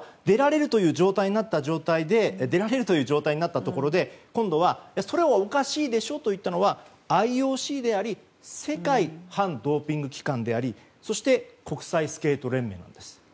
ということは出られるという状態になったところで今度は、それはおかしいでしょと言ったのはＩＯＣであり世界反ドーピング機関でありそして国際スケート連盟なんです。